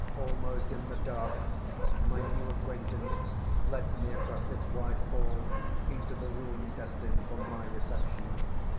Almost in the dark my new acquaintance led me across this wide hall into the room destined for my reception.